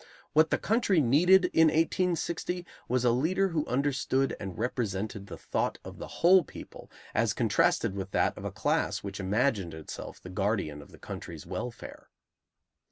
What the country needed in 1860 was a leader who understood and represented the thought of the whole people, as contrasted with that of a class which imagined itself the guardian of the country's welfare.